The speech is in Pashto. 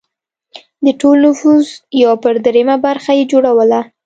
د ټول نفوس یو پر درېیمه برخه یې جوړوله